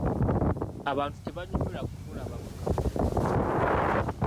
Abantu tebanyumirwa kukulaba mu kamwa.